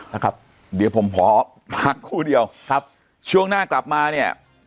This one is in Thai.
นะครับเดี๋ยวผมขอพักครู่เดียวครับช่วงหน้ากลับมาเนี่ย